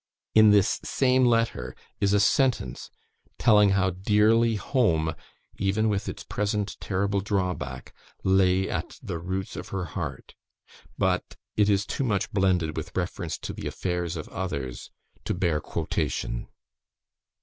In this same letter, is a sentence, telling how dearly home, even with its present terrible drawback, lay at the roots of her heart; but it is too much blended with reference to the affairs of others to bear quotation.